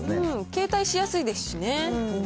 携帯しやすいですしね。